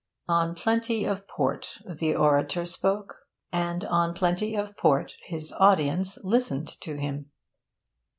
On plenty of port the orator spoke, and on plenty of port his audience listened to him.